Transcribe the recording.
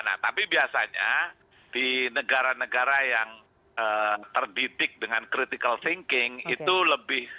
nah tapi biasanya di negara negara yang terdidik dengan critical thinking itu lebih